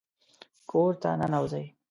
کور ته ننوځئ